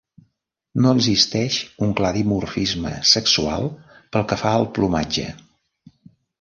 No existeix un clar dimorfisme sexual pel que fa al plomatge.